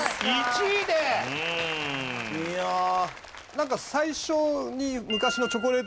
なんか最初に。